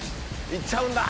行っちゃうんだ！